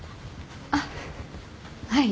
あっはい。